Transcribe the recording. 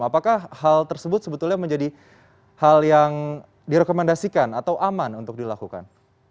apakah hal tersebut sebetulnya menjadi hal yang direkomendasikan atau aman untuk dilakukan